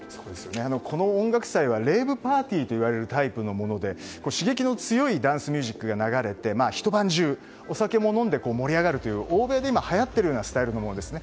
この音楽祭はレイブパーティーと呼ばれるもので刺激の強いダンスミュージックが流れて一晩中お酒も飲んで盛り上がるという欧米ではやっているスタイルのものですね。